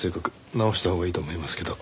直したほうがいいと思いますけど。